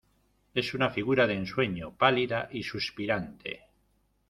es una figura de ensueño pálida y suspirante